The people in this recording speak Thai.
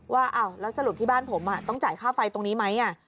ว่าแล้วสรุปที่บ้านผมต้องจ่ายค่าไฟตรงนี้ไหม